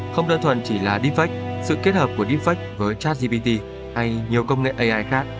không đơn thuần chỉ là defect sự kết hợp của deepfake với chatgpt hay nhiều công nghệ ai khác